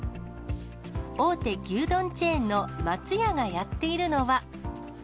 大手牛丼チェーンの松屋がやっているのは。